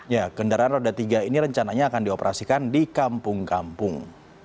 ya kendaraan roda tiga ini rencananya akan dioperasikan di kampung kampung